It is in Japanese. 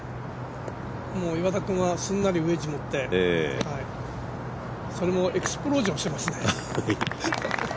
岩田君はすんなりウェッジ持って、それもエクスプロージョンしてますね。